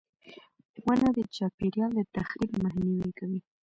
• ونه د چاپېریال د تخریب مخنیوی کوي.